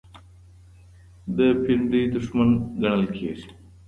د پينډۍ دښمن ګڼل کېږي.